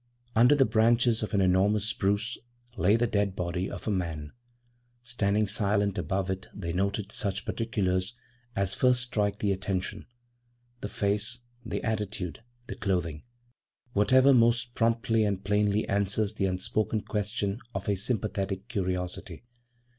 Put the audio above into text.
Under the branches of an enormous spruce lay the dead body of a man. Standing silent above it they noted such particulars as first strike the attention the face, the attitude, the clothing; whatever most promptly and plainly answers the unspoken question of a sympathetic curiosity.